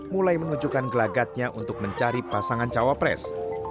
mulai menunjukkan gelagatnya untuk mencari pasangan cawapres